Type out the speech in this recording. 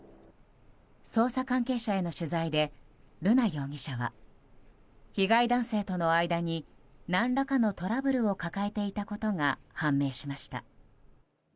捜査関係者への取材で瑠奈容疑者は被害男性との間に何らかのトラブルを抱えていたことが判明しました。